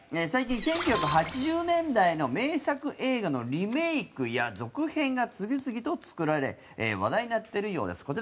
最近、１９８０年代の名作映画のリメイクや続編が次々と作られ話題になっているようです。